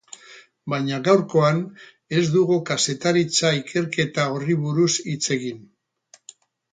Baina gaurkoan ez dugu kazetaritza ikerketa horri buruz hitz egin.